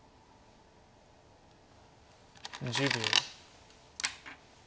１０秒。